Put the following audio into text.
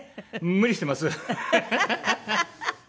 無理してます？